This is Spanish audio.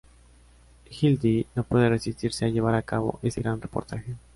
Hildy no puede resistirse a llevar a cabo ese gran reportaje.